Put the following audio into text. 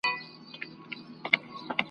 ږغ به خپور سو د ځنګله تر ټولو غاړو ,